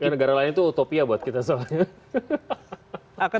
negara lain itu utopia buat kita soalnya